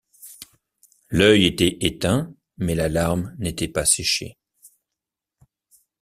L’œil était éteint, mais la larme n’était pas séchée.